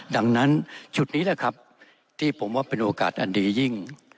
ดังนั้นจุดนี้แหละครับที่ผมว่าเป็นโอกาสอันดียิ่ง